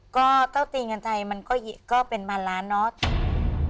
ก็เต้าตีเงินไทยมันก็เป็นพันล้านเนาะ